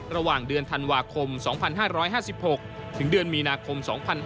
ระหว่างเดือนธันวาคม๒๕๕๖ถึงเดือนมีนาคม๒๕๖๒